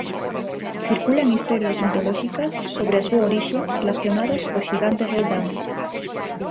Circulan historias mitolóxicas sobre a súa orixe relacionadas co xigante Roldán.